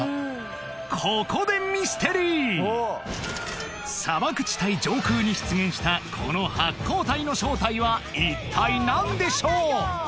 ここでミステリー砂漠地帯上空に出現したこの発光体の正体は一体何でしょう？